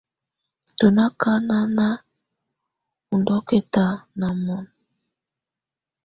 Tù na akanà wù ndɔ̀kɛ̀ta nà mɔ̀na.